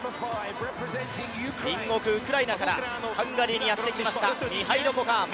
隣国ウクライナからハンガリーにやってきましたミハイロ・コカーン。